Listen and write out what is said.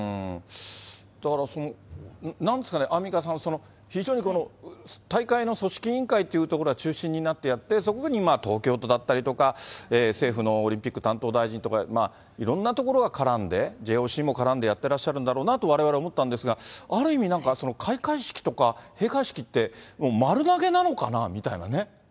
だからその、なんですかね、アンミカさん、非常にこの大会の組織委員会というところが中心になってやって、そこに東京都だったりとか、政府のオリンピック担当大臣とかいろんなところが絡んで、ＪＯＣも絡んでやってらっしゃるんだろうなとわれわれ思ったんですが、ある意味、なんか開会式とか閉会式って、もう丸投げなのかなみたいなね。